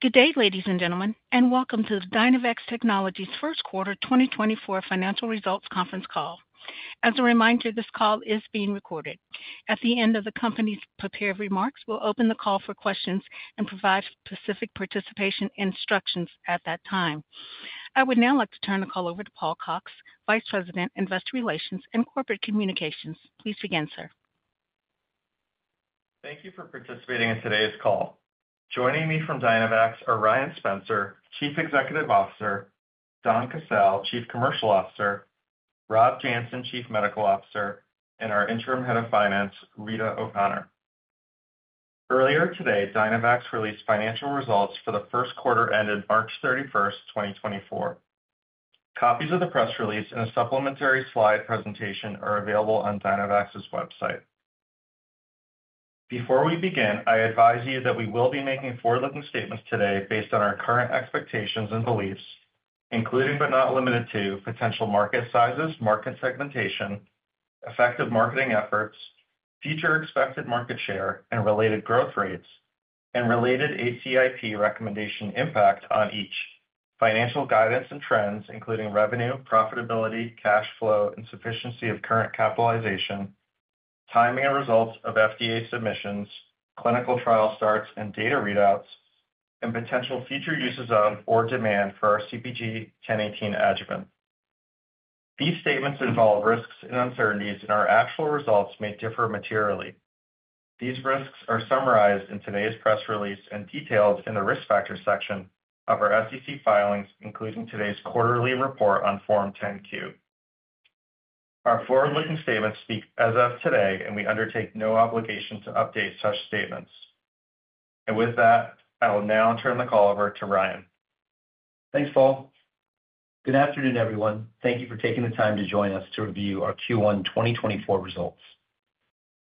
Good day, ladies and gentlemen, and welcome to the Dynavax Technologies First Quarter 2024 financial results conference call. As a reminder, this call is being recorded. At the end of the company's prepared remarks, we'll open the call for questions and provide specific participation instructions at that time. I would now like to turn the call over to Paul Cox, Vice President, Investor Relations and Corporate Communications. Please begin, sir. Thank you for participating in today's call. Joining me from Dynavax are Ryan Spencer, Chief Executive Officer, Donn Casale, Chief Commercial Officer, Rob Janssen, Chief Medical Officer, and our Interim Head of Finance, Rita O'Connor. Earlier today, Dynavax released financial results for the first quarter ended March 31, 2024. Copies of the press release and a supplementary slide presentation are available on Dynavax's website. Before we begin, I advise you that we will be making forward-looking statements today based on our current expectations and beliefs, including, but not limited to, potential market sizes, market segmentation, effective marketing efforts, future expected market share and related growth rates, and related ACIP recommendation impact on each financial guidance and trends, including revenue, profitability, cash flow, and sufficiency of current capitalization, timing and results of FDA submissions, clinical trial starts and data readouts, and potential future uses of or demand for our CpG 1018 adjuvant. These statements involve risks and uncertainties, and our actual results may differ materially. These risks are summarized in today's press release and detailed in the Risk Factors section of our SEC filings, including today's quarterly report on Form 10-Q. Our forward-looking statements speak as of today, and we undertake no obligation to update such statements. With that, I will now turn the call over to Ryan. Thanks, Paul. Good afternoon, everyone. Thank you for taking the time to join us to review our Q1 2024 results.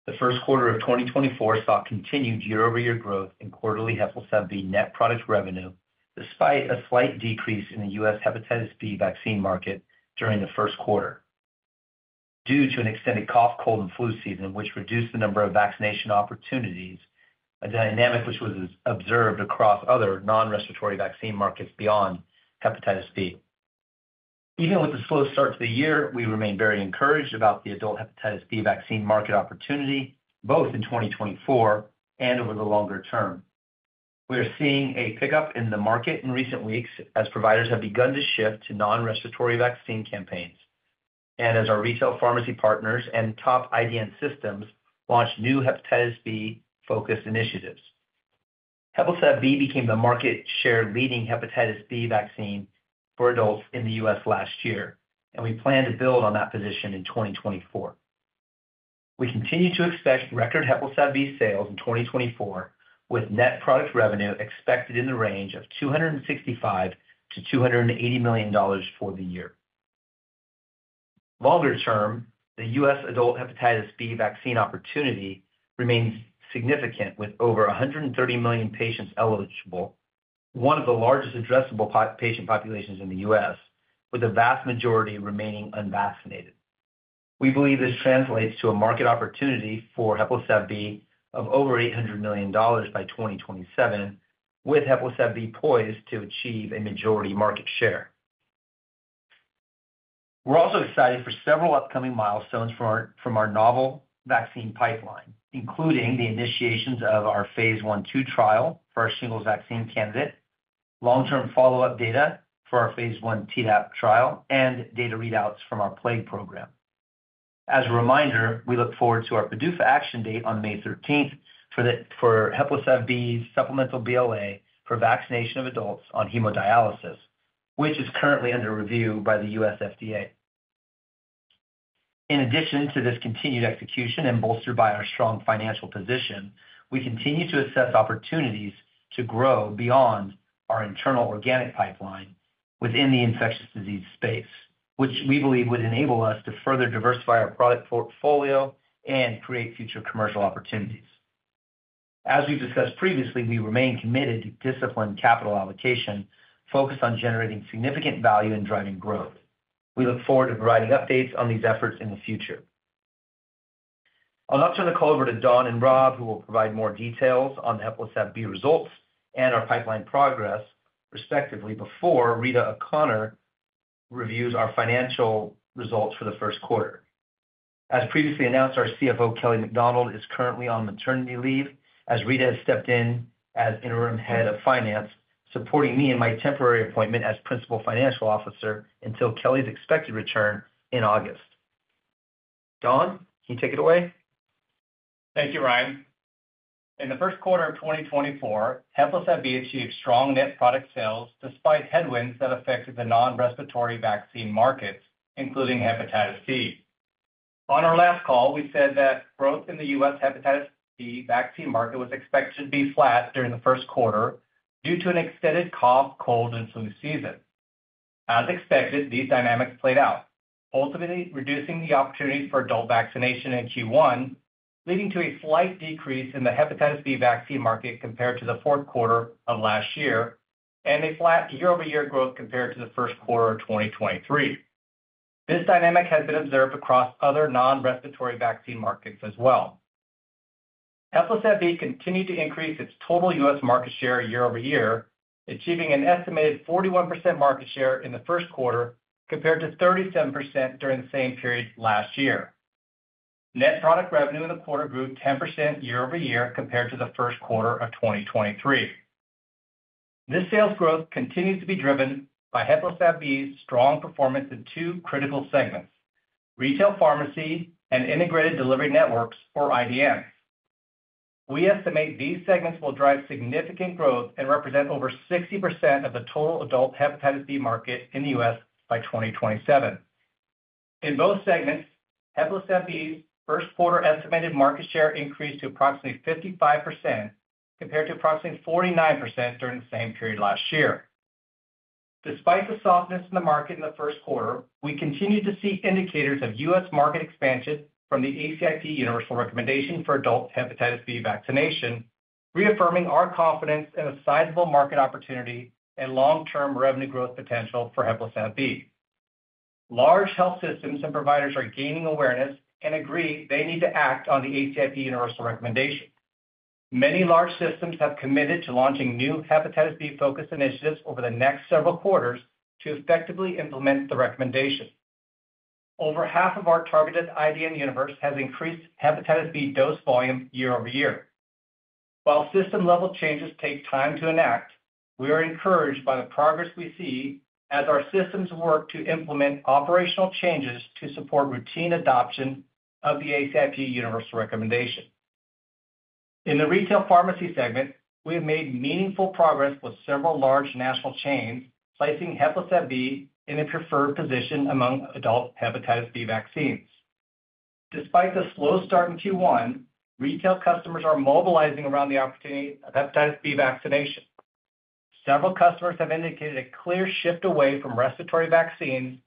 The first quarter of 2024 saw continued year-over-year growth in quarterly HEPLISAV-B net product revenue, despite a slight decrease in the U.S. hepatitis B vaccine market during the first quarter. Due to an extended cough, cold, and flu season, which reduced the number of vaccination opportunities, a dynamic which was observed across other non-respiratory vaccine markets beyond hepatitis B. Even with the slow start to the year, we remain very encouraged about the adult hepatitis B vaccine market opportunity, both in 2024 and over the longer term. We are seeing a pickup in the market in recent weeks as providers have begun to shift to non-respiratory vaccine campaigns and as our retail pharmacy partners and top IDN systems launch new hepatitis B-focused initiatives. HEPLISAV-B became the market share leading hepatitis B vaccine for adults in the U.S. last year, and we plan to build on that position in 2024. We continue to expect record HEPLISAV-B sales in 2024, with net product revenue expected in the range of $265 million-$280 million for the year. Longer term, the U.S. adult hepatitis B vaccine opportunity remains significant, with over 130 million patients eligible, one of the largest addressable patient populations in the U.S., with the vast majority remaining unvaccinated. We believe this translates to a market opportunity for HEPLISAV-B of over $800 million by 2027, with HEPLISAV-B poised to achieve a majority market share. We're also excited for several upcoming milestones from our novel vaccine pipeline, including the initiations of our phase I/II trial for our shingles vaccine candidate, long-term follow-up data for our phase I Tdap trial, and data readouts from our plague program. As a reminder, we look forward to our PDUFA action date on May 13th for HEPLISAV-B's supplemental BLA for vaccination of adults on hemodialysis, which is currently under review by the U.S. FDA. In addition to this continued execution and bolstered by our strong financial position, we continue to assess opportunities to grow beyond our internal organic pipeline within the infectious disease space, which we believe would enable us to further diversify our product portfolio and create future commercial opportunities. As we've discussed previously, we remain committed to disciplined capital allocation, focused on generating significant value and driving growth. We look forward to providing updates on these efforts in the future. I'll now turn the call over to Donn and Rob, who will provide more details on HEPLISAV-B results and our pipeline progress, respectively, before Rita O'Connor reviews our financial results for the first quarter. As previously announced, our CFO, Kelly McDonald, is currently on maternity leave, as Rita has stepped in as Interim Head of Finance, supporting me in my temporary appointment as principal financial officer until Kelly's expected return in August. Donn, can you take it away? Thank you, Ryan. In the first quarter of 2024, HEPLISAV-B achieved strong net product sales despite headwinds that affected the non-respiratory vaccine markets, including hepatitis B. On our last call, we said that growth in the U.S. hepatitis B vaccine market was expected to be flat during the first quarter due to an extended cough, cold, and flu season. As expected, these dynamics played out, ultimately reducing the opportunities for adult vaccination in Q1, leading to a slight decrease in the hepatitis B vaccine market compared to the fourth quarter of last year and a flat year-over-year growth compared to the first quarter of 2023. This dynamic has been observed across other non-respiratory vaccine markets as well. HEPLISAV-B continued to increase its total U.S. market share year-over-year, achieving an estimated 41% market share in the first quarter, compared to 37% during the same period last year. Net product revenue in the quarter grew 10% year-over-year compared to the first quarter of 2023. This sales growth continues to be driven by HEPLISAV-B's strong performance in two critical segments: retail pharmacy and integrated delivery networks, or IDN. We estimate these segments will drive significant growth and represent over 60% of the total adult hepatitis B market in the U.S. by 2027. In both segments, HEPLISAV-B's first quarter estimated market share increased to approximately 55%, compared to approximately 49% during the same period last year. Despite the softness in the market in the first quarter, we continue to see indicators of U.S. market expansion from the ACIP universal recommendation for adult hepatitis B vaccination, reaffirming our confidence in a sizable market opportunity and long-term revenue growth potential for HEPLISAV-B. Large health systems and providers are gaining awareness and agree they need to act on the ACIP universal recommendation. Many large systems have committed to launching new hepatitis B-focused initiatives over the next several quarters to effectively implement the recommendation. Over half of our targeted IDN universe has increased hepatitis B dose volume year-over-year. While system-level changes take time to enact, we are encouraged by the progress we see as our systems work to implement operational changes to support routine adoption of the ACIP universal recommendation. In the retail pharmacy segment, we have made meaningful progress with several large national chains, placing HEPLISAV-B in a preferred position among adult hepatitis B vaccines. Despite the slow start in Q1, retail customers are mobilizing around the opportunity of hepatitis B vaccination. Several customers have indicated a clear shift away from respiratory vaccines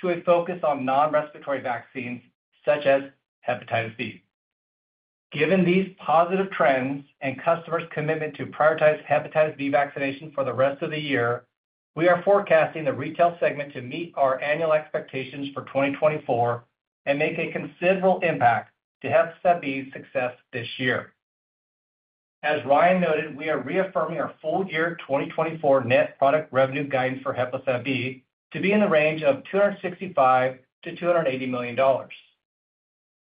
to a focus on non-respiratory vaccines, such as hepatitis B. Given these positive trends and customers' commitment to prioritize hepatitis B vaccination for the rest of the year, we are forecasting the retail segment to meet our annual expectations for 2024 and make a considerable impact to HEPLISAV-B's success this year. As Ryan noted, we are reaffirming our full year 2024 net product revenue guidance for HEPLISAV-B to be in the range of $265 million-$280 million.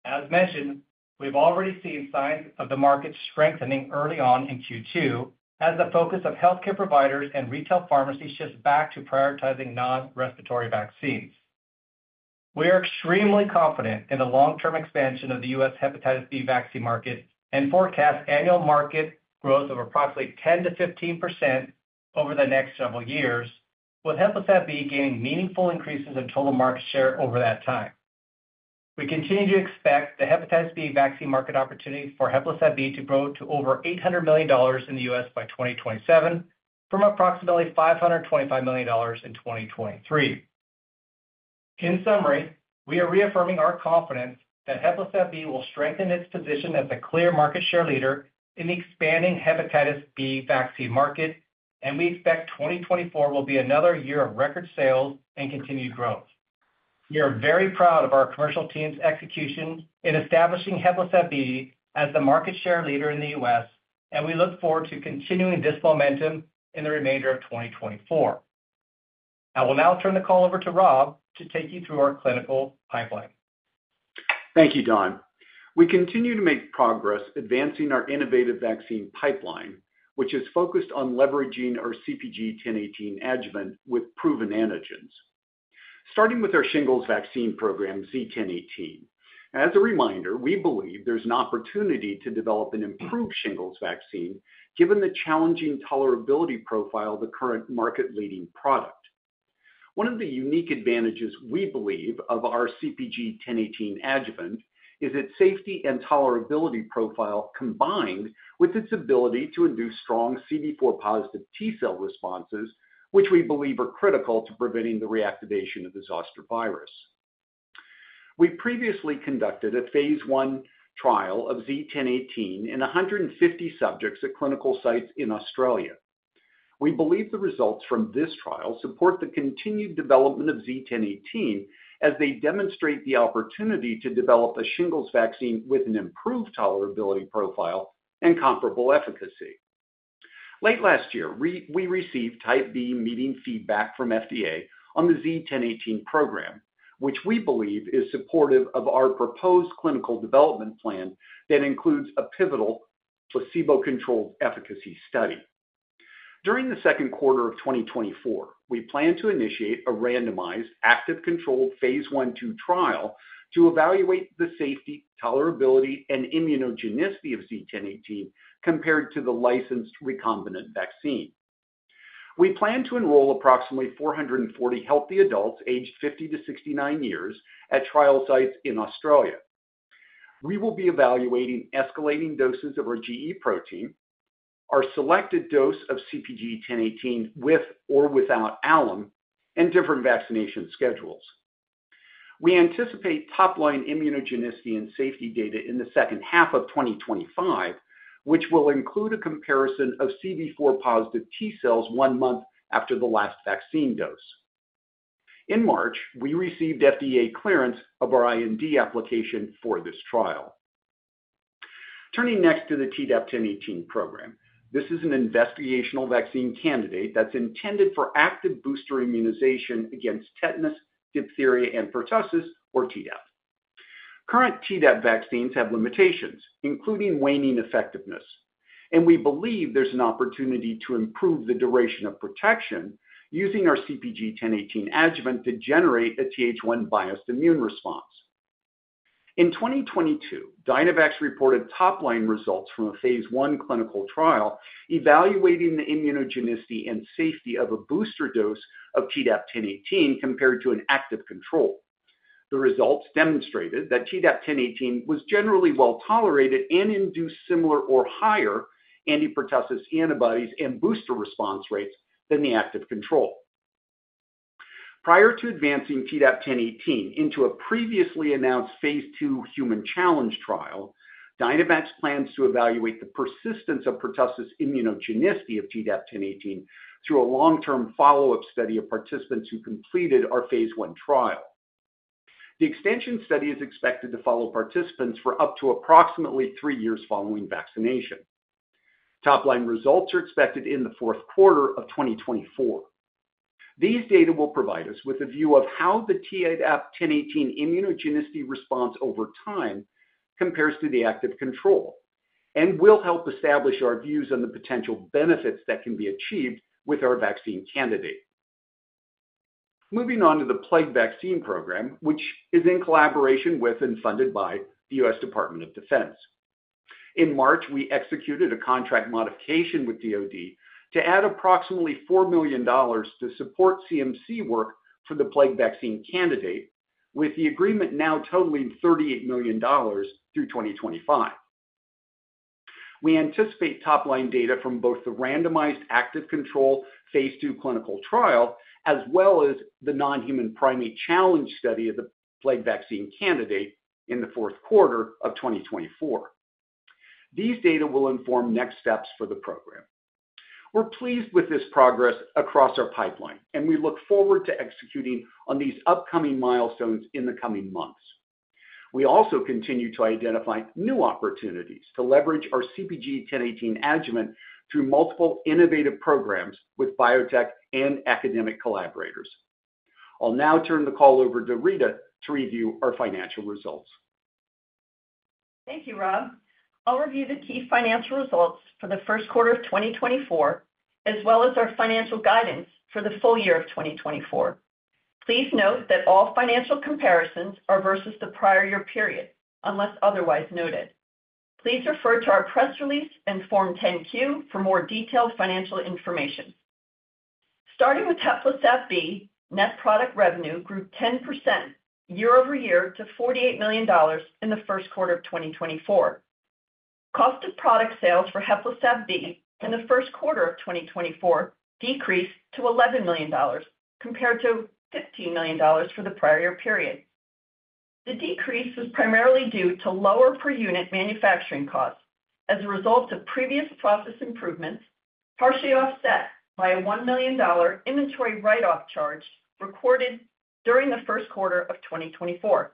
As mentioned, we've already seen signs of the market strengthening early on in Q2, as the focus of healthcare providers and retail pharmacies shifts back to prioritizing non-respiratory vaccines. We are extremely confident in the long-term expansion of the US hepatitis B vaccine market and forecast annual market growth of approximately 10%-15% over the next several years, with HEPLISAV-B gaining meaningful increases in total market share over that time. We continue to expect the hepatitis B vaccine market opportunity for HEPLISAV-B to grow to over $800 million in the U.S. by 2027, from approximately $525 million in 2023. In summary, we are reaffirming our confidence that HEPLISAV-B will strengthen its position as the clear market share leader in the expanding hepatitis B vaccine market, and we expect 2024 will be another year of record sales and continued growth. We are very proud of our commercial team's execution in establishing HEPLISAV-B as the market share leader in the U.S., and we look forward to continuing this momentum in the remainder of 2024. I will now turn the call over to Rob to take you through our clinical pipeline. Thank you, Donn. We continue to make progress advancing our innovative vaccine pipeline, which is focused on leveraging our CpG 1018 adjuvant with proven antigens. Starting with our shingles vaccine program, Z-1018. As a reminder, we believe there's an opportunity to develop an improved shingles vaccine, given the challenging tolerability profile of the current market-leading product. One of the unique advantages we believe of our CpG 1018 adjuvant is its safety and tolerability profile, combined with its ability to induce strong CD4+ T cell responses, which we believe are critical to preventing the reactivation of the zoster virus. We previously conducted a phase I trial of Z-1018 in 150 subjects at clinical sites in Australia. We believe the results from this trial support the continued development of Z-1018, as they demonstrate the opportunity to develop a shingles vaccine with an improved tolerability profile and comparable efficacy. Late last year, we received Type B meeting feedback from FDA on the Z-1018 program, which we believe is supportive of our proposed clinical development plan that includes a pivotal placebo-controlled efficacy study. During the second quarter of 2024, we plan to initiate a randomized, active-controlled phase I/II trial to evaluate the safety, tolerability, and immunogenicity of Z-1018 compared to the licensed recombinant vaccine. We plan to enroll approximately 440 healthy adults aged 50 to 69 years at trial sites in Australia. We will be evaluating escalating doses of our gE protein, our selected dose of CpG 1018 with or without alum, and different vaccination schedules. We anticipate top-line immunogenicity and safety data in the second half of 2025, which will include a comparison of CD4+ T cells one month after the last vaccine dose. In March, we received FDA clearance of our IND application for this trial. Turning next to the Tdap-1018 program. This is an investigational vaccine candidate that's intended for active booster immunization against tetanus, diphtheria, and pertussis, or Tdap. Current Tdap vaccines have limitations, including waning effectiveness, and we believe there's an opportunity to improve the duration of protection using our CpG 1018 adjuvant to generate a Th1-biased immune response. In 2022, Dynavax reported top-line results from a phase I clinical trial evaluating the immunogenicity and safety of a booster dose of Tdap-1018 compared to an active control. The results demonstrated that Tdap-1018 was generally well-tolerated and induced similar or higher anti-pertussis antibodies and booster response rates than the active control. Prior to advancing Tdap-1018 into a previously announced phase II human challenge trial, Dynavax plans to evaluate the persistence of pertussis immunogenicity of Tdap-1018 through a long-term follow-up study of participants who completed our phase I trial. The extension study is expected to follow participants for up to approximately three years following vaccination. Top-line results are expected in the fourth quarter of 2024. These data will provide us with a view of how the Tdap-1018 immunogenicity response over time compares to the active control and will help establish our views on the potential benefits that can be achieved with our vaccine candidate. Moving on to the plague vaccine program, which is in collaboration with and funded by the U.S. Department of Defense. In March, we executed a contract modification with DoD to add approximately $40 million to support CMC work for the plague vaccine candidate, with the agreement now totaling $38 million through 2025. We anticipate top-line data from both the randomized active control phase II clinical trial, as well as the non-human primate challenge study of the plague vaccine candidate in the fourth quarter of 2024. These data will inform next steps for the program. We're pleased with this progress across our pipeline, and we look forward to executing on these upcoming milestones in the coming months. We also continue to identify new opportunities to leverage our CpG 1018 adjuvant through multiple innovative programs with biotech and academic collaborators. I'll now turn the call over to Rita to review our financial results. Thank you, Rob. I'll review the key financial results for the first quarter of 2024, as well as our financial guidance for the full year of 2024. Please note that all financial comparisons are versus the prior year period, unless otherwise noted. Please refer to our press release and Form 10-Q for more detailed financial information. Starting with HEPLISAV-B, net product revenue grew 10% year-over-year to $48 million in the first quarter of 2024. Cost of product sales for HEPLISAV-B in the first quarter of 2024 decreased to $11 million, compared to $15 million for the prior year period. The decrease was primarily due to lower per-unit manufacturing costs as a result of previous process improvements, partially offset by a $1 million inventory write-off charge recorded during the first quarter of 2024.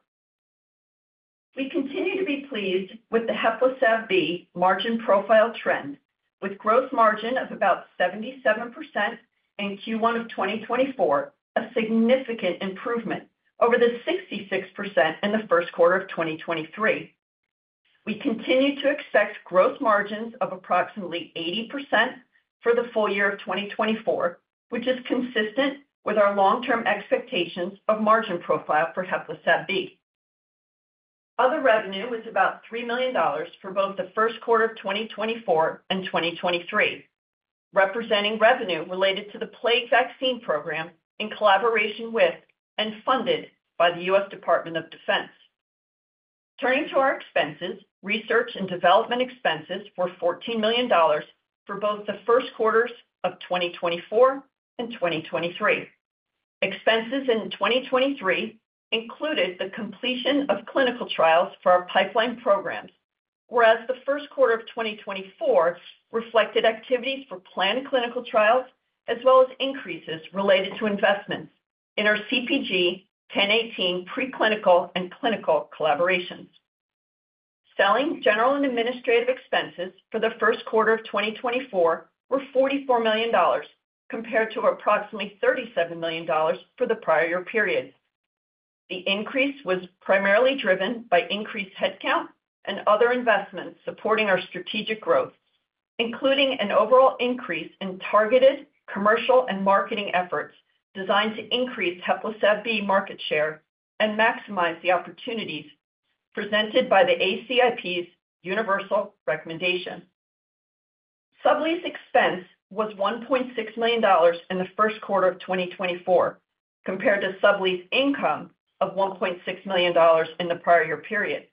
We continue to be pleased with the HEPLISAV-B margin profile trend, with gross margin of about 77% in Q1 of 2024, a significant improvement over the 66% in the first quarter of 2023. We continue to expect gross margins of approximately 80% for the full year of 2024, which is consistent with our long-term expectations of margin profile for HEPLISAV-B. Other revenue was about $3 million for both the first quarter of 2024 and 2023, representing revenue related to the plague vaccine program in collaboration with and funded by the U.S. Department of Defense. Turning to our expenses, research and development expenses were $14 million for both the first quarters of 2024 and 2023. Expenses in 2023 included the completion of clinical trials for our pipeline programs, whereas the first quarter of 2024 reflected activities for planned clinical trials, as well as increases related to investments in our CpG 1018 preclinical and clinical collaborations. Selling, general, and administrative expenses for the first quarter of 2024 were $44 million, compared to approximately $37 million for the prior year period. The increase was primarily driven by increased headcount and other investments supporting our strategic growth, including an overall increase in targeted commercial and marketing efforts designed to increase HEPLISAV-B market share and maximize the opportunities presented by the ACIP's universal recommendation. Sublease expense was $1.6 million in the first quarter of 2024, compared to sublease income of $1.6 million in the prior year period.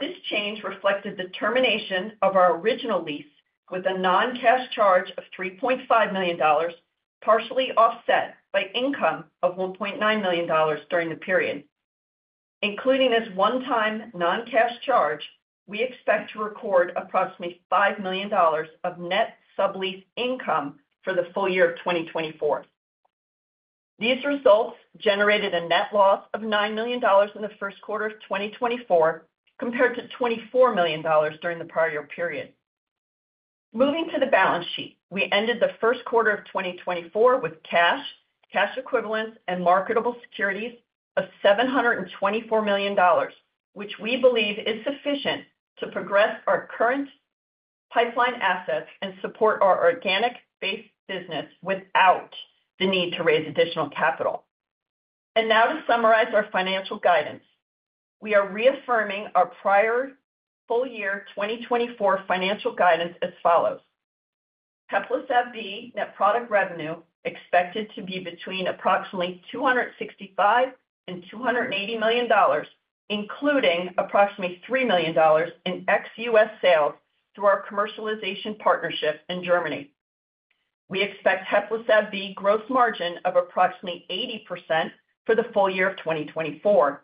This change reflected the termination of our original lease with a non-cash charge of $3.5 million, partially offset by income of $1.9 million during the period. Including this one-time non-cash charge, we expect to record approximately $5 million of net sublease income for the full year of 2024. These results generated a net loss of $9 million in the first quarter of 2024, compared to $24 million during the prior year period. Moving to the balance sheet. We ended the first quarter of 2024 with cash, cash equivalents, and marketable securities of $724 million, which we believe is sufficient to progress our current pipeline assets and support our organic base business without the need to raise additional capital. Now to summarize our financial guidance. We are reaffirming our prior full year 2024 financial guidance as follows: HEPLISAV-B net product revenue expected to be between approximately $265 million and $280 million, including approximately $3 million in ex-US sales through our commercialization partnership in Germany. We expect HEPLISAV-B gross margin of approximately 80% for the full year of 2024.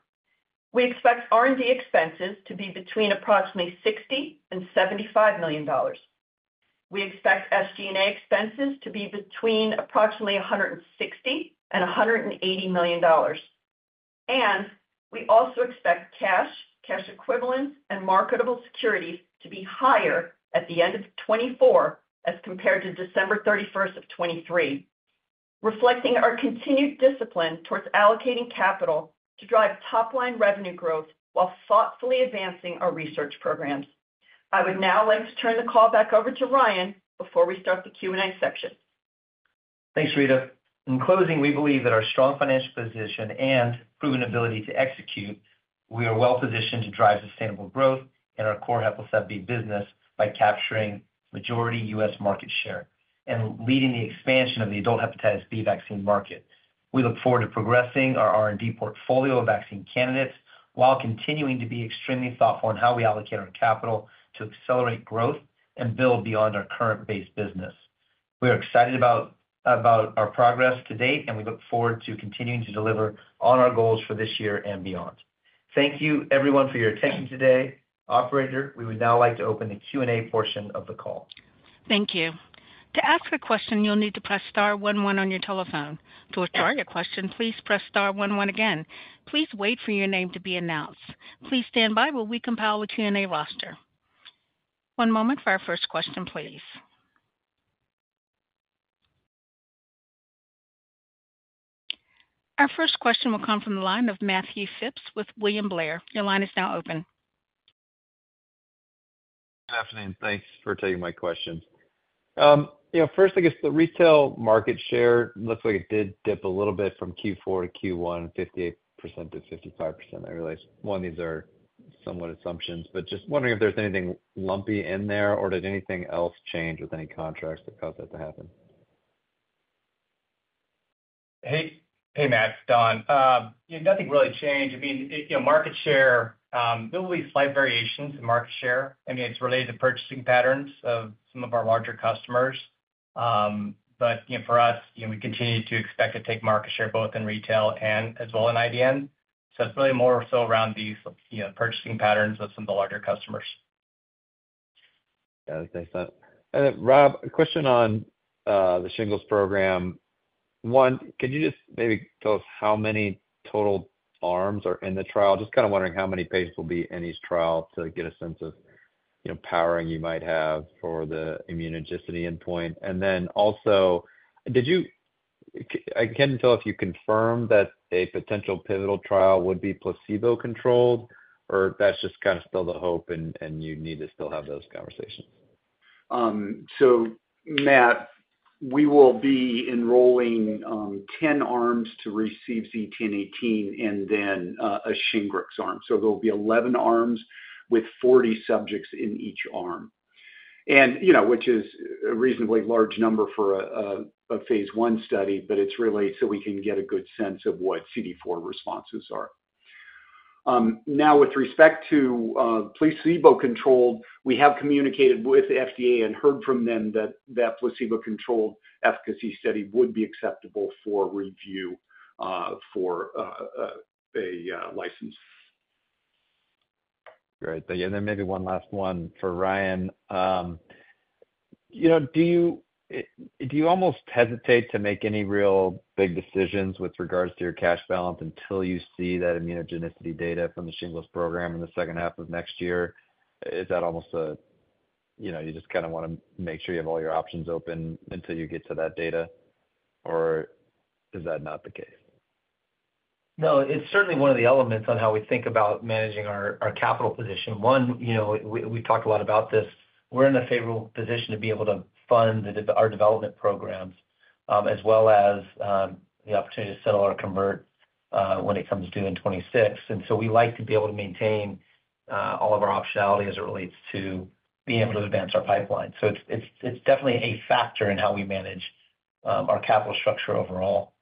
We expect R&D expenses to be between approximately $60 million and $75 million. We expect SG&A expenses to be between approximately $160 million and $180 million. We also expect cash, cash equivalents, and marketable securities to be higher at the end of 2024 as compared to December 31st, 2023, reflecting our continued discipline towards allocating capital to drive top-line revenue growth while thoughtfully advancing our research programs. I would now like to turn the call back over to Ryan before we start the Q&A section. Thanks, Rita. In closing, we believe that our strong financial position and proven ability to execute, we are well positioned to drive sustainable growth in our core HEPLISAV-B business by capturing majority U.S. market share and leading the expansion of the adult hepatitis B vaccine market. We look forward to progressing our R&D portfolio of vaccine candidates, while continuing to be extremely thoughtful on how we allocate our capital to accelerate growth and build beyond our current base business. We are excited about our progress to date, and we look forward to continuing to deliver on our goals for this year and beyond. Thank you everyone for your attention today. Operator, we would now like to open the Q&A portion of the call. Thank you. To ask a question, you'll need to press star one one on your telephone. To withdraw your question, please press star one one again. Please wait for your name to be announced. Please stand by while we compile a Q&A roster. One moment for our first question, please. Our first question will come from the line of Matthew Phipps with William Blair. Your line is now open. Good afternoon. Thanks for taking my questions. You know, first, I guess the retail market share looks like it did dip a little bit from Q4 to Q1, 58%-55%. I realize, one, these are somewhat assumptions, but just wondering if there's anything lumpy in there, or did anything else change with any contracts that caused that to happen? Hey, hey, Matt, Donn. Yeah, nothing really changed. I mean, you know, market share, there will be slight variations in market share. I mean, it's related to purchasing patterns of some of our larger customers. But, you know, for us, you know, we continue to expect to take market share both in retail and as well in IDN. So it's really more so around these, you know, purchasing patterns of some of the larger customers. Yeah, thanks for that. And then, Rob, a question on the shingles program. One, could you just maybe tell us how many total arms are in the trial? Just kind of wondering how many patients will be in each trial to get a sense of, you know, powering you might have for the immunogenicity endpoint. And then also, did you, I couldn't tell if you confirmed that a potential pivotal trial would be placebo-controlled, or if that's just kind of still the hope and, and you need to still have those conversations. So Matt, we will be enrolling 10 arms to receive Z-1018 and then a Shingrix arm. So there'll be 11 arms with 40 subjects in each arm. And, you know, which is a reasonably large number for a phase 1 study, but it's really so we can get a good sense of what CD4 responses are. Now, with respect to placebo-controlled, we have communicated with the FDA and heard from them that that placebo-controlled efficacy study would be acceptable for review for a license. Great. Thank you. And then maybe one last one for Ryan. You know, do you almost hesitate to make any real big decisions with regards to your cash balance until you see that immunogenicity data from the shingles program in the second half of next year? Is that almost a, you know, you just kind of want to make sure you have all your options open until you get to that data, or is that not the case? No, it's certainly one of the elements on how we think about managing our capital position. You know, we talked a lot about this. We're in a favorable position to be able to fund our development programs, as well as the opportunity to settle our convert when it comes due in 2026. And so we like to be able to maintain all of our optionality as it relates to being able to advance our pipeline. So it's definitely a factor in how we manage our capital structure overall.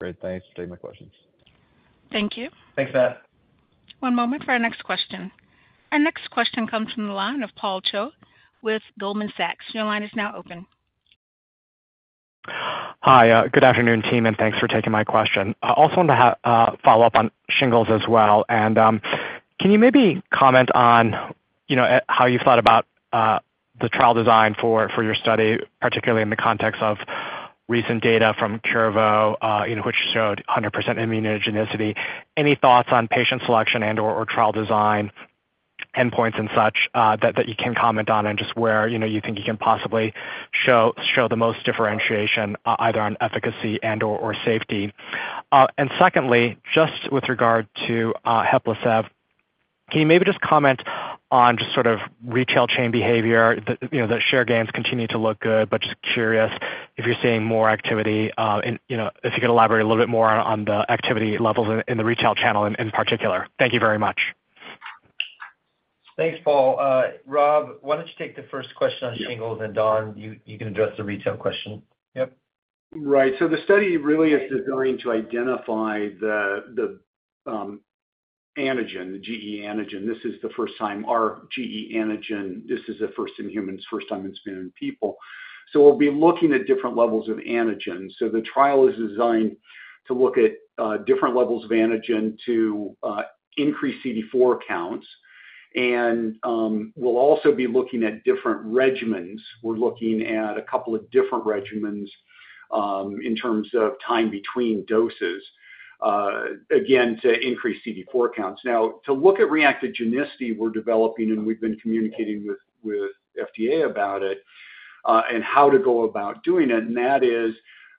Great. Thanks for taking my questions. Thank you. Thanks, Matt. One moment for our next question. Our next question comes from the line of Paul Choi with Goldman Sachs. Your line is now open. Hi, good afternoon, team, and thanks for taking my question. I also want to follow up on shingles as well. And, can you maybe comment on, you know, how you thought about, the trial design for, for your study, particularly in the context of recent data from Curevo, you know, which showed 100% immunogenicity? Any thoughts on patient selection and, or, trial design, endpoints, and such, that, that you can comment on, and just where, you know, you think you can possibly show, show the most differentiation either on efficacy and or, safety? And secondly, just with regard to, HEPLISAV, can you maybe just comment on just sort of retail chain behavior? The, you know, the share gains continue to look good, but just curious if you're seeing more activity, in, you know If you can elaborate a little bit more on the activity levels in the retail channel in particular? Thank you very much. Thanks, Paul. Rob, why don't you take the first question on shingles, Donn, you, you can address the retail question. Yep. Right. So the study really is designed to identify the antigen, the gE antigen. This is the first time our gE antigen. This is a first-in-humans, first time it's been in people. So we'll be looking at different levels of antigen. So the trial is designed to look at different levels of antigen to increase CD4 counts, and we'll also be looking at different regimens. We're looking at a couple of different regimens in terms of time between doses, again, to increase CD4 counts. Now, to look at reactogenicity, we're developing, and we've been communicating with FDA about it, and how to go about doing it, and that is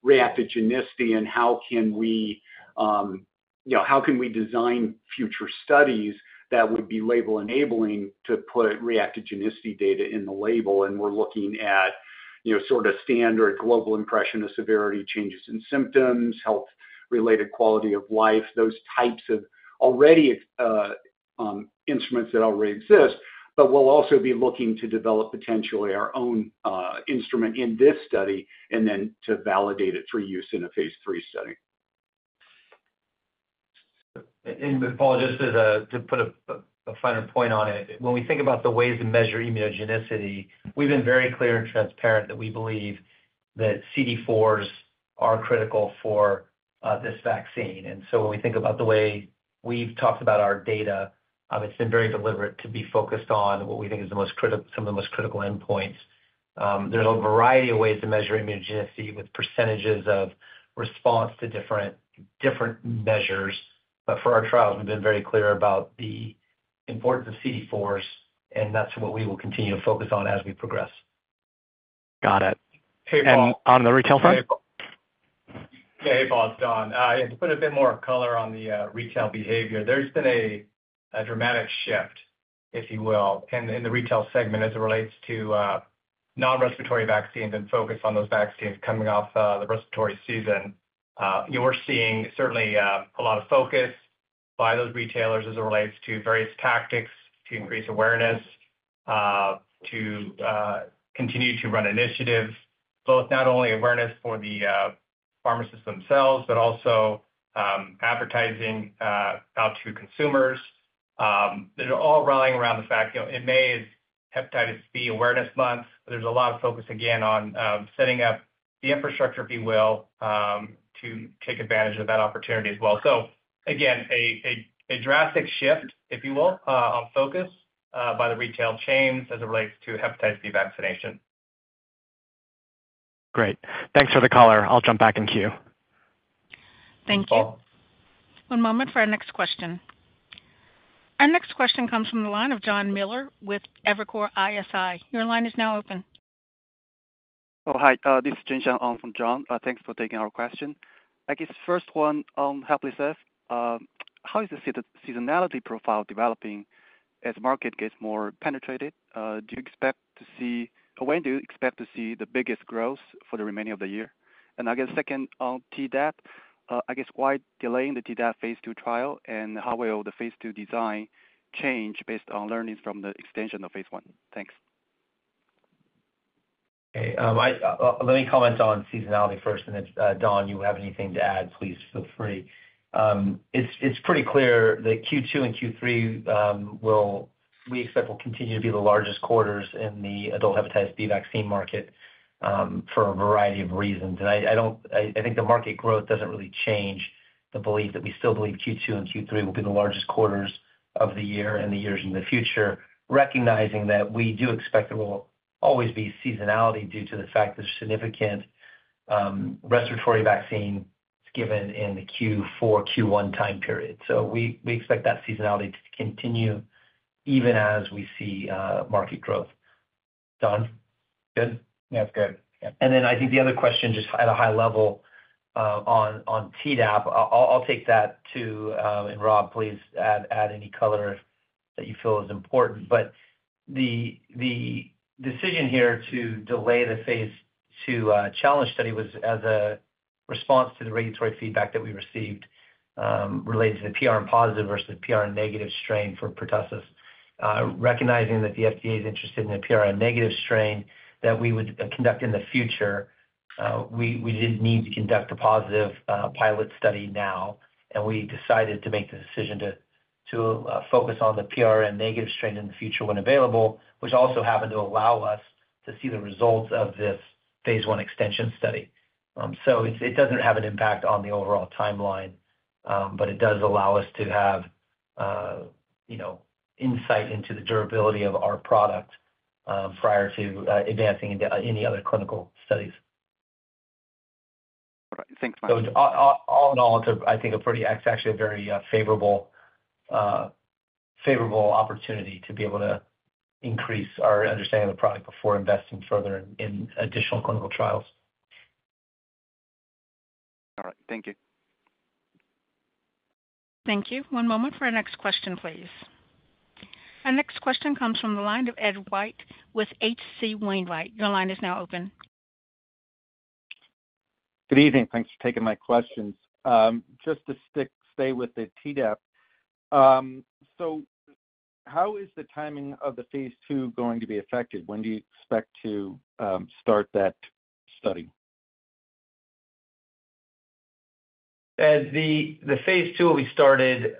reactogenicity and how can we, you know, how can we design future studies that would be label-enabling to put reactogenicity data in the label? We're looking at, you know, sort of standard global impression of severity, changes in symptoms, health-related quality of life, those types of instruments that already exist. But we'll also be looking to develop potentially our own instrument in this study and then to validate it for use in a phase III study. Paul, just to put a finer point on it, when we think about the ways to measure immunogenicity, we've been very clear and transparent that we believe that CD4s are critical for this vaccine. So when we think about the way we've talked about our data, it's been very deliberate to be focused on what we think is some of the most critical endpoints. There's a variety of ways to measure immunogenicity with percentages of response to different measures. But for our trials, we've been very clear about the importance of CD4s, and that's what we will continue to focus on as we progress. Got it. Hey, Paul. On the retail front? Yeah. Hey, Paul, it's Donn. And to put a bit more color on the retail behavior, there's been a dramatic shift, if you will, in the retail segment as it relates to non-respiratory vaccines and focus on those vaccines coming off the respiratory season. You are seeing certainly a lot of focus by those retailers as it relates to various tactics to increase awareness to continue to run initiatives, both not only awareness for the pharmacists themselves, but also advertising out to consumers. They're all rolling around the fact, you know, in May is Hepatitis B Awareness Month. There's a lot of focus again on setting up the infrastructure, if you will, to take advantage of that opportunity as well. So again, a drastic shift, if you will, on focus by the retail chains as it relates to hepatitis B vaccination. Great. Thanks for the color. I'll jump back in queue. Thank you. Thanks, Paul. One moment for our next question. Our next question comes from the line of Jon Miller with Evercore ISI. Your line is now open. Hi, this is Jinshan from John. Thanks for taking our question. I guess first one on HEPLISAV-B. How is the seasonality profile developing as market gets more penetrated? Do you expect to see or when do you expect to see the biggest growth for the remainder of the year? I guess second, on Tdap, why delaying the Tdap phase II trial, and how will the phase II design change based on learnings from the extension of phase I? Thanks. Okay, let me comment on seasonality first, and then, Donn, you have anything to add, please feel free. It's pretty clear that Q2 and Q3 we expect will continue to be the largest quarters in the adult hepatitis B vaccine market for a variety of reasons. And I don't think the market growth doesn't really change the belief that we still believe Q2 and Q3 will be the largest quarters of the year and the years in the future, recognizing that we do expect there will always be seasonality due to the fact that significant respiratory vaccine is given in the Q4, Q1 time period. So we expect that seasonality to continue even as we see market growth. Donn, good? Yeah, it's good. Yep. And then I think the other question, just at a high level, on Tdap, I'll take that too, and Rob, please add any color that you feel is important. But the decision here to delay the phase II challenge study was as a response to the regulatory feedback that we received, related to the PRN positive versus PRN negative strain for pertussis. Recognizing that the FDA is interested in a PRN negative strain that we would conduct in the future, we didn't need to conduct a positive pilot study now, and we decided to make the decision to delay to focus on the PRN negative strain in the future when available, which also happened to allow us to see the results of this phase one extension study. So it doesn't have an impact on the overall timeline, but it does allow us to have, you know, insight into the durability of our product prior to advancing into any other clinical studies. All right, thanks, Ryan. So, all in all, it's, I think, actually a very favorable opportunity to be able to increase our understanding of the product before investing further in additional clinical trials. All right, thank you. Thank you. One moment for our next question, please. Our next question comes from the line of Ed White with H.C. Wainwright. Your line is now open. Good evening. Thanks for taking my questions. Just to stay with the Tdap. So how is the timing of the phase II going to be affected? When do you expect to start that study? As the phase II we started,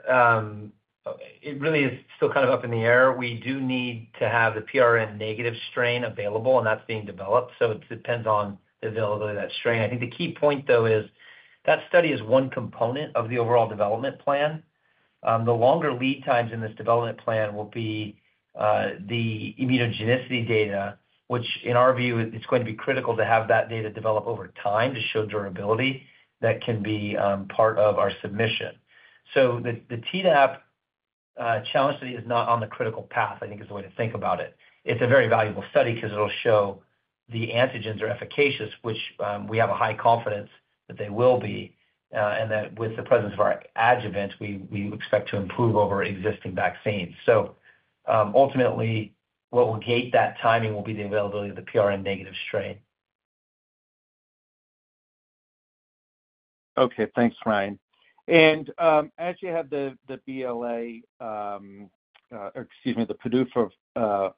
it really is still kind of up in the air. We do need to have the PRN-negative strain available, and that's being developed, so it depends on the availability of that strain. I think the key point, though, is that study is one component of the overall development plan. The longer lead times in this development plan will be the immunogenicity data, which in our view, it's going to be critical to have that data develop over time to show durability that can be part of our submission. So the Tdap challenge study is not on the critical path, I think is the way to think about it. It's a very valuable study because it'll show the antigens are efficacious, which, we have a high confidence that they will be, and that with the presence of our adjuvants, we expect to improve over existing vaccines. So, ultimately, what will gate that timing will be the availability of the PRN-negative strain. Okay, thanks, Ryan. And, as you have the BLA, excuse me, the PDUFA,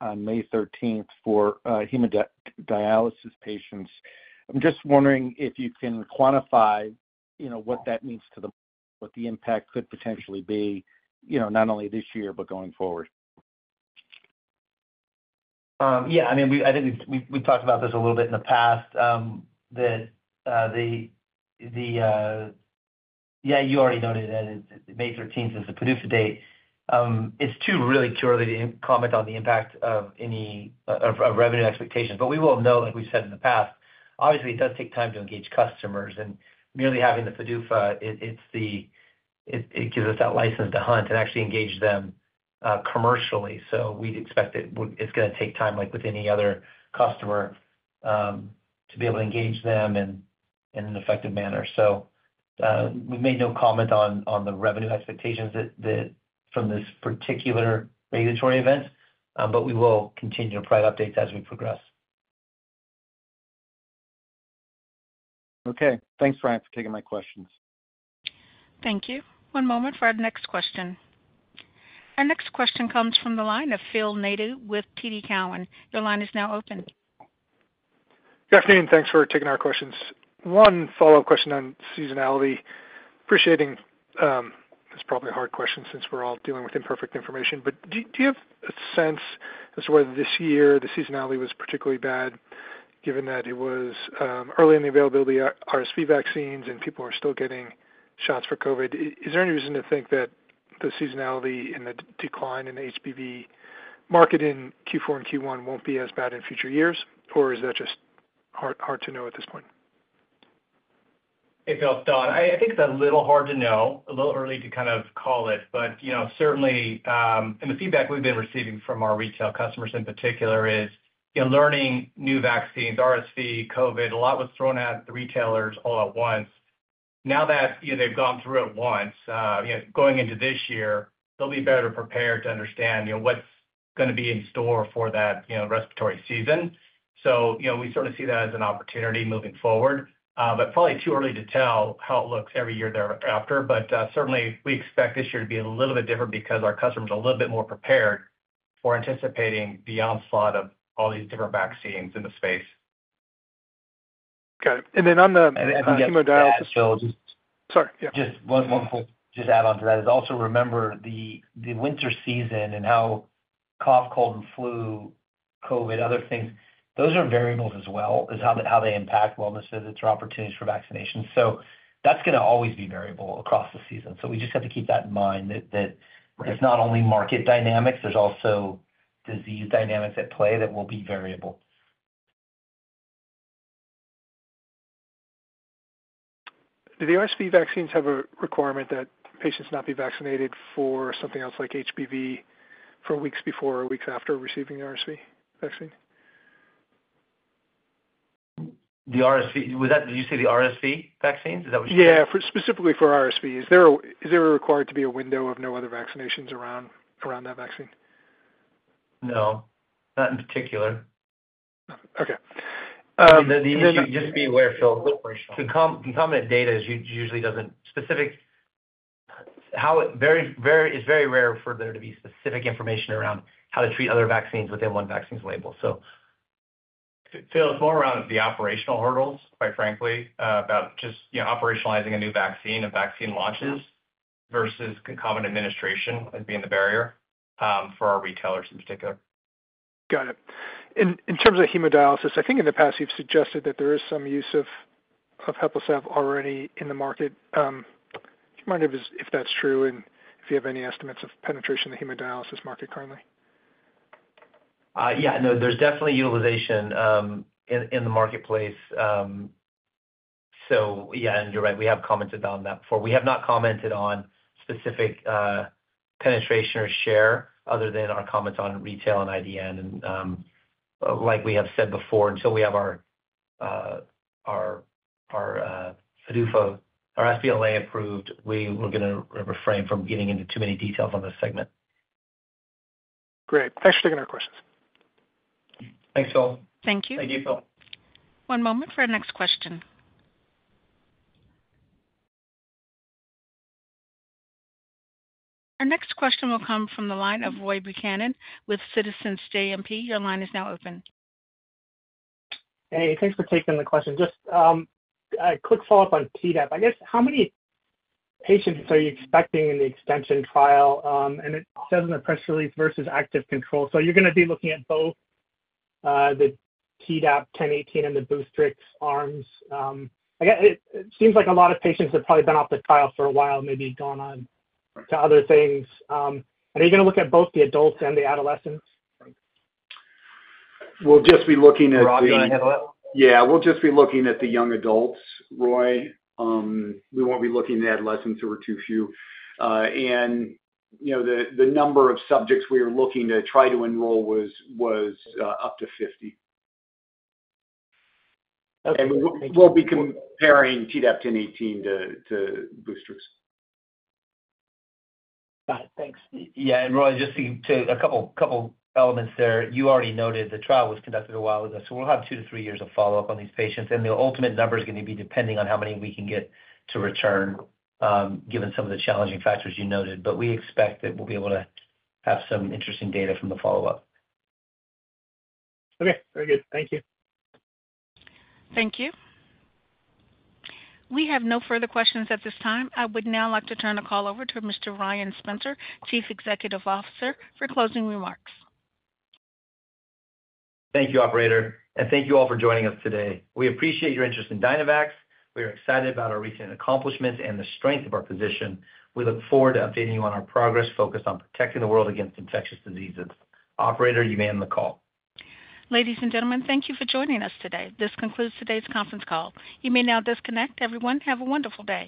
on May thirteenth for hemodialysis patients, I'm just wondering if you can quantify, you know, what that means to what the impact could potentially be, you know, not only this year, but going forward? Yeah, I mean, we—I think we've talked about this a little bit in the past. Yeah, you already noted that it's May 13th is the PDUFA date. It's too really too early to comment on the impact of any revenue expectations, but we will know, like we've said in the past, obviously, it does take time to engage customers, and merely having the PDUFA, it, it's the—it, it gives us that license to hunt and actually engage them commercially. So we'd expect it would—it's gonna take time, like with any other customer, to be able to engage them in an effective manner. So, we made no comment on the revenue expectations from this particular regulatory event, but we will continue to provide updates as we progress. Okay, thanks, Ryan, for taking my questions. Thank you. One moment for our next question. Our next question comes from the line of Phil Nadeau with TD Cowen. Your line is now open. Good afternoon, thanks for taking our questions. One follow-up question on seasonality. Appreciating, it's probably a hard question since we're all dealing with imperfect information, but do you have a sense as to whether this year the seasonality was particularly bad, given that it was early in the availability of RSV vaccines and people are still getting shots for COVID? Is there any reason to think that the seasonality and the decline in the HBV market in Q4 and Q1 won't be as bad in future years, or is that just hard to know at this point? Hey, Phil, Donn. I think it's a little hard to know, a little early to kind of call it, but, you know, certainly, and the feedback we've been receiving from our retail customers in particular is, you know, learning new vaccines, RSV, COVID, a lot was thrown at the retailers all at once. Now that, you know, they've gone through it once, you know, going into this year, they'll be better prepared to understand, you know, what's gonna be in store for that, you know, respiratory season. So, you know, we sort of see that as an opportunity moving forward, but probably too early to tell how it looks every year thereafter. But, certainly we expect this year to be a little bit different because our customers are a little bit more prepared for anticipating the onslaught of all these different vaccines in the space. Okay, and then on the hemodialysis- Sorry, just one more thing, just add on to that is also remember the winter season and how cough, cold, and flu, COVID, other things, those are variables as well, is how they impact wellness visits or opportunities for vaccination. So that's gonna always be variable across the season. So we just have to keep that in mind that, that- Right. It's not only market dynamics, there's also disease dynamics at play that will be variable. Do the RSV vaccines have a requirement that patients not be vaccinated for something else like HBV for weeks before or weeks after receiving the RSV vaccine? The RSV, was that, did you say the RSV vaccine? Is that what you said? Yeah, specifically for RSV. Is there required to be a window of no other vaccinations around that vaccine? No, not in particular. Okay, um- Just be aware, Phil, concomitant data usually doesn't specify. It's very rare for there to be specific information around how to treat other vaccines within one vaccine's label. Phil, it's more around the operational hurdles, quite frankly, about just, you know, operationalizing a new vaccine and vaccine launches versus concomitant administration as being the barrier for our retailers in particular. Got it. In terms of hemodialysis, I think in the past, you've suggested that there is some use of HEPLISAV already in the market. Do you mind if that's true, and if you have any estimates of penetration in the hemodialysis market currently? Yeah, no, there's definitely utilization in the marketplace. So yeah, and you're right, we have commented on that before. We have not commented on specific penetration or share other than our comments on retail and IDN. Like we have said before, until we have our PDUFA, our BLA approved, we're gonna refrain from getting into too many details on this segment. Great. Thanks for taking our questions. Thanks, Phil. Thank you. Thank you, Phil. One moment for our next question. Our next question will come from the line of Roy Buchanan with Citizens JMP. Your line is now open. Hey, thanks for taking the question. Just, a quick follow-up on Tdap. I guess, how many patients are you expecting in the extension trial? And it says in the press release versus active control. So you're gonna be looking at both, the Tdap-1018 and the Boostrix arms. I guess it, it seems like a lot of patients have probably been off the trial for a while, maybe gone on to other things. Are you gonna look at both the adults and the adolescents? We'll just be looking at the- Rob, do you wanna handle that one? Yeah, we'll just be looking at the young adults, Roy. We won't be looking at adolescents. There were too few. And, you know, the number of subjects we are looking to try to enroll was up to 50. Okay. We'll be comparing Tdap-1018 to Boostrix. Got it. Thanks. Yeah, and Roy, just to a couple elements there. You already noted the trial was conducted a while ago, so we'll have 2-3 years of follow-up on these patients, and the ultimate number is gonna be depending on how many we can get to return, given some of the challenging factors you noted. But we expect that we'll be able to have some interesting data from the follow-up. Okay, very good. Thank you. Thank you. We have no further questions at this time. I would now like to turn the call over to Mr. Ryan Spencer, Chief Executive Officer, for closing remarks. Thank you, operator, and thank you all for joining us today. We appreciate your interest in Dynavax. We are excited about our recent accomplishments and the strength of our position. We look forward to updating you on our progress, focused on protecting the world against infectious diseases. Operator, you may end the call. Ladies and gentlemen, thank you for joining us today. This concludes today's conference call. You may now disconnect. Everyone, have a wonderful day.